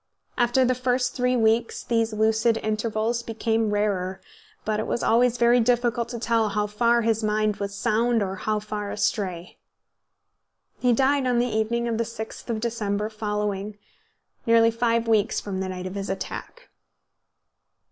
After the first three weeks these lucid intervals became rarer, but it was always very difficult to tell how far his mind was sound or how far astray. He died on the evening of the 6th of December following, nearly five weeks from the night of his attack.